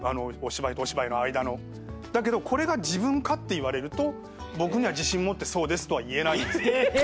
だけどこれが自分かって言われると僕には自信持ってそうですとは言えないです。